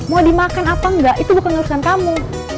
mau dimakan apa enggak itu bukan urusan kamu